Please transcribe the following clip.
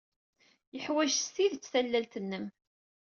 Yeḥwaj s tidet tallalt-nnem.